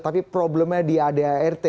tapi problemnya di adart